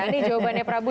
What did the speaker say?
ini jawabannya prabu